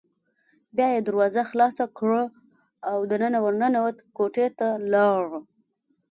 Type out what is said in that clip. بیا یې دروازه خلاصه کړه او دننه ور ننوت، کوټې ته لاړ.